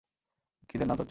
খিদের নাম চচ্চড়ি।